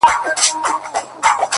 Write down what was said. o دښایستونو خدایه اور ته به مي سم نیسې؛